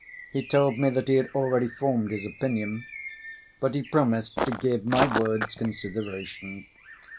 He told me that he had already formed his opinion. But he promised to give my words consideration."